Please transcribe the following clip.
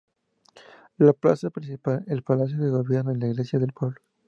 La plaza principal, el palacio de gobierno y la iglesia del pueblo.